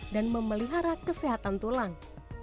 dan memelihara kesehatan tulang